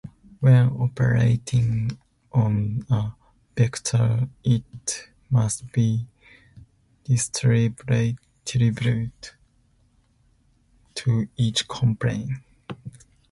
When operating on a vector it must be distributed to each component.